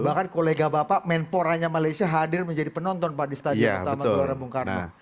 bahkan kolega bapak menporanya malaysia hadir menjadi penonton pak di stadion utama gelora bung karno